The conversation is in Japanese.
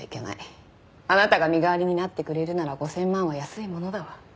あなたが身代わりになってくれるなら５０００万は安いものだわ。